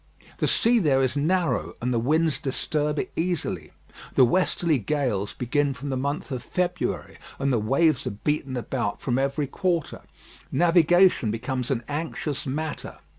The sea there is narrow, and the winds disturb it easily. The westerly gales begin from the month of February, and the waves are beaten about from every quarter. Navigation becomes an anxious matter.